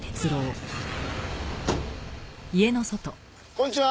こんにちは。